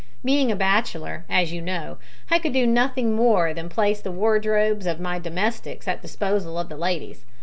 Being a bachelor, as you know, I could do nothing more than place the wardrobes of my domestics at the disposal of the ladies.